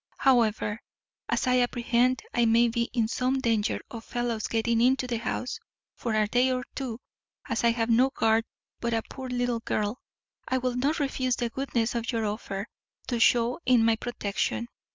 However, as I apprehend I may be in some danger of fellows getting into the house, for a day or two, as I have no guard but a poor little girl, I will not refuse the goodness you offer to shew in my protection.